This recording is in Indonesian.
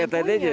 seperti tadi aja